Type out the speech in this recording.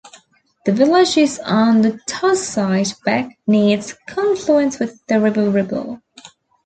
The village is on the Tosside Beck, near its confluence with the River Ribble.